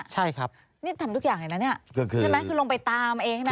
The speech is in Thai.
ใช่ครับนี่ทำทุกอย่างเลยนะเนี่ยใช่ไหมคือลงไปตามเองใช่ไหม